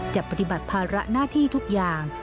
ปฏิบัติภาระหน้าที่ทุกอย่าง